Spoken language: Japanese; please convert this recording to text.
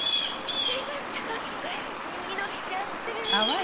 しずちゃんいいの着ちゃって。